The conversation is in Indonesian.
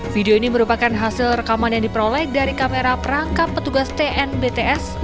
video ini merupakan hasil rekaman yang diperoleh dari kamera perangkap petugas tnbts